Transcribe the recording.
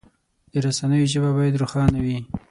د رسنیو ژبه باید روښانه وي.